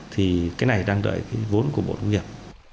thì cái này đang đợi cái vốn của bộ nông nghiệp